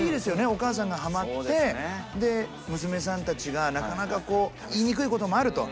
お母さんがハマってで娘さんたちがなかなかこう言いにくいこともあると。